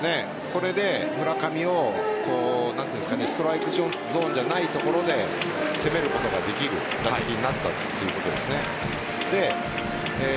これで村上をストライクゾーンじゃない所で攻めることができる打席になったということです。